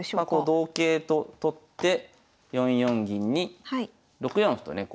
同桂と取って４四銀に６四歩とね